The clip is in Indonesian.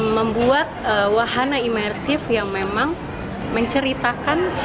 membuat wahana imersif yang memang menceritakan